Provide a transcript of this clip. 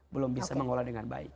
belum bisa mengolah dengan baik